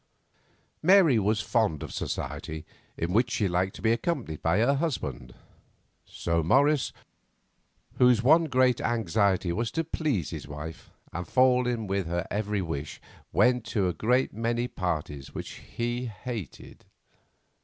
Mary was fond of society, in which she liked to be accompanied by her husband, so Morris, whose one great anxiety was to please his wife and fall in with her every wish, went to a great many parties which he hated.